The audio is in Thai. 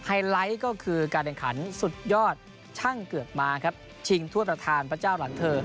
ไลท์ก็คือการแข่งขันสุดยอดช่างเกือบมาครับชิงถ้วยประธานพระเจ้าหลังเธอ